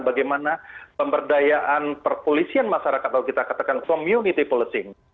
bagaimana pemberdayaan perpolisian masyarakat atau kita katakan community policy